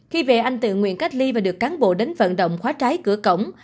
khi về anh tự nguyện cách ly và được cán bộ đến vận động khóa trái cửa cổng